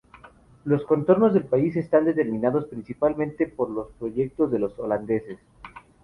Los contornos del país están determinados principalmente por los proyectos de los holandeses.